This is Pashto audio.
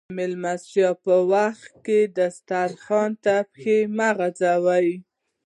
د ميلمستيا پر وخت دسترخوان ته پښې مه ږدئ.